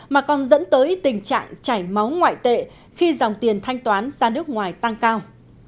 mà còn dẫn tới tình trạng chảy máu ngoại tệ khi dòng tiền thanh toán ra nước ngoài tăng cao